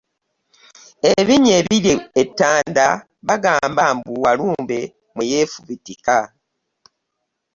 Ebinnya ebiri e Ttanda bagamba mbu Walumbe mwe yeefubitika.